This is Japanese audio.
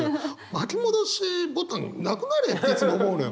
巻き戻しボタンなくなれっていつも思うのよ。